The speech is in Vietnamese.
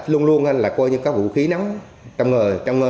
luôn luôn là coi như có vũ khí nóng